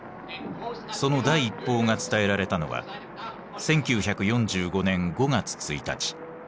その第一報が伝えられたのは１９４５年５月１日。